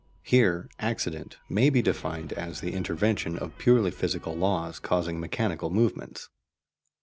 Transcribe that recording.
(Here "accident" may be defined as the intervention of purely physical laws causing mechanical movements.)